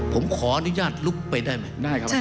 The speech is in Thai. ผมขอนุญาตลุกไปได้ไหม